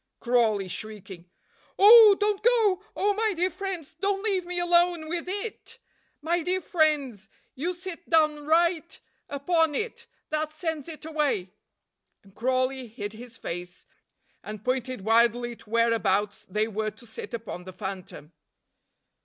Crawley (shrieking). "Oh, don't go; oh, my dear friends, don't leave me alone with IT. My dear friends, you sit down right upon it that sends it away." And Crawley hid his face, and pointed wildly to whereabouts they were to sit upon the phantom.